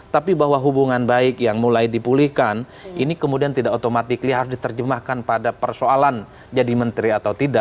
tapi bahwa hubungan baik yang mulai dipulihkan ini kemudian tidak otomatis harus diterjemahkan pada persoalan jadi menteri atau tidak